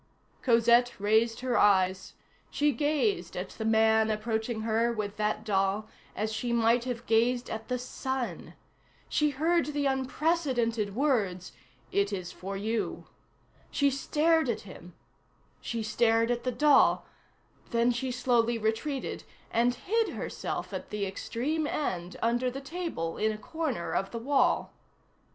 Cosette raised her eyes; she gazed at the man approaching her with that doll as she might have gazed at the sun; she heard the unprecedented words, "It is for you"; she stared at him; she stared at the doll; then she slowly retreated, and hid herself at the extreme end, under the table in a corner of the wall.